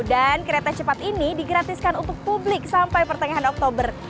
dan kereta cepat ini digratiskan untuk publik sampai pertengahan oktober